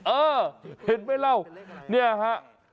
เออเห็นไหมเรานี่ฮะ